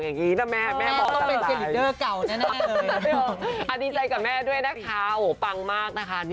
นี่อดีใจกับแม่ด้วยนะคะ